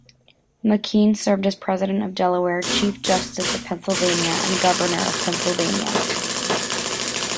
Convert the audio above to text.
McKean served as President of Delaware, Chief Justice of Pennsylvania, and Governor of Pennsylvania.